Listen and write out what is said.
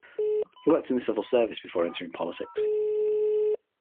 He worked in the civil service before entering politics.